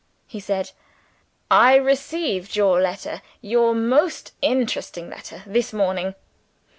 he said, "I received your letter your most interesting letter this morning.